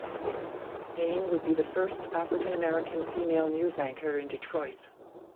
Payne would be the first African-American female news anchor in Detroit.